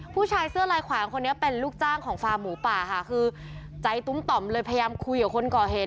ผู้ชายเสื้อลายขวางคนนี้เป็นลูกจ้างของฟาร์มหมูป่าค่ะคือใจตุ้มต่อมเลยพยายามคุยกับคนก่อเหตุ